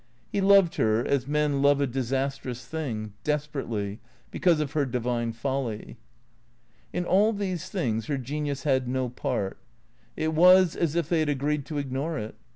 He loved her, as men love a disas trous thing, desperately, because of her divine folly. In all these things her genius had no part. It was as if they had agreed to ignore it.